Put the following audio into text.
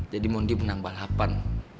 jadi mon dia menang balapan